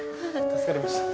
助かりました。